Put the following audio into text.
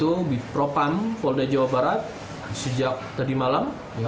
pemirsa pampung dan pemirsa jawa barat menjelaskan bahwa keadaan pampung dan jawa barat